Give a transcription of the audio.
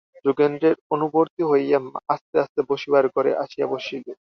যোগেন্দ্রের অনুবর্তী হইয়া আস্তে আস্তে বসিবার ঘরে আসিয়া বসিল।